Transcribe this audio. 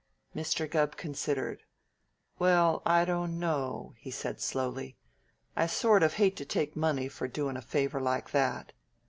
Mr. Gubb considered. "Well, I dunno!" he said slowly. "I sort of hate to take money for doin' a favor like that."